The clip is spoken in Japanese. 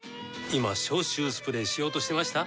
今消臭スプレーしようとしてました？